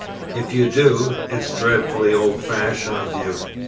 If you do, it's dreadfully old fashioned of you.